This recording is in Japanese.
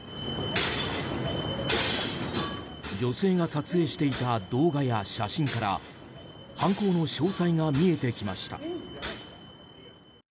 女性が撮影していた動画や写真から犯行の詳細が見えてきました。